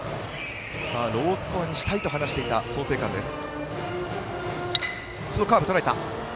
ロースコアにしたいと話していた創成館です。